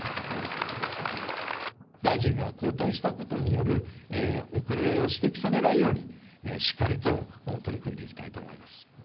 大臣が交代したことによる遅れを指摘されないように、しっかりと取り組んでいきたいと思います。